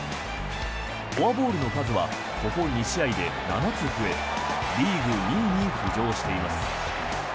フォアボールの数はここ２試合で７つ増えリーグ２位に浮上しています。